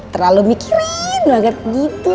terlalu mikirin banget gitu